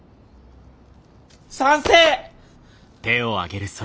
賛成！